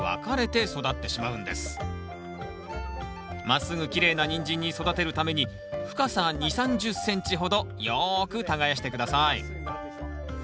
まっすぐきれいなニンジンに育てるために深さ２０３０ｃｍほどよく耕して下さい。